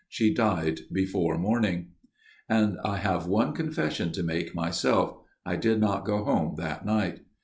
She died before morning. " And I have one confession to make myself I did not go home that night.